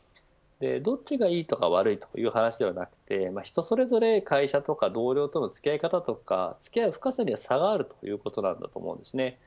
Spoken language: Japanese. どっちがいいとか悪いとかという話ではなく人それぞれ、会社とか同僚との付き合い方とか付き合う深さには差があるということだと思います。